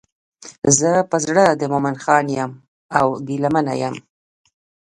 زه په زړه د مومن خان یم او ګیله منه یم.